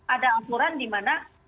ada aturan di mana